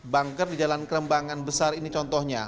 banker di jalan kerembangan besar ini contohnya